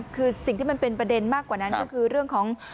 คือสิ่งที่มันเป็นประเด็นมากกว่านั้นก็คือเรื่องของ